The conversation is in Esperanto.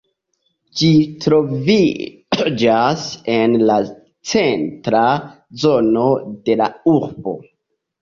Ĝi troviĝas en la centra zono de la urbo.